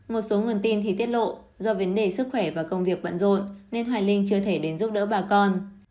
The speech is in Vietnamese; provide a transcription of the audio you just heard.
một số nguồn tin thì tiết lộ do vấn đề sức khỏe và công việc bận rộn nên hoài linh chưa thể đến giúp đỡ bà con